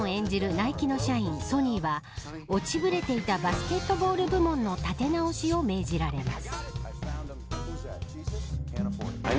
ナイキの社員ソニーは落ちぶれていたバスケットボール部門の立て直しを命じられます。